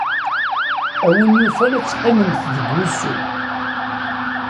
A win yufan ad teqqimemt deg wusu.